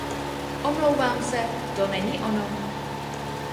Omlouvám se, to není ono.